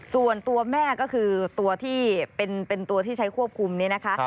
ส่วนตัวแม่ก็คือตัวที่ใช้ควบคุมนี้นะคะ